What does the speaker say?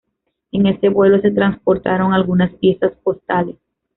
En ese vuelo se transportaron algunas piezas postales.